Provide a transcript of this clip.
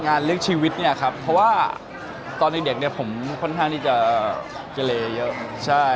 เรื่องชีวิตเนี่ยครับเพราะว่าตอนเด็กเนี่ยผมค่อนข้างที่จะเกเลเยอะใช่